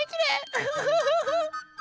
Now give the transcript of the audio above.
ウフフフフ。